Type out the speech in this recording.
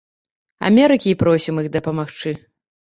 Амерыкі і просім іх дапамагчы.